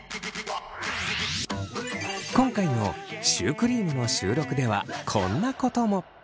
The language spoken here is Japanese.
今回のシュークリームの収録ではこんなことも。